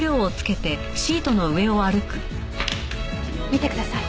見てください。